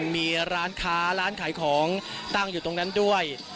มีร้านค้าร้านขายของตั้งอยู่ตรงนั้นด้วย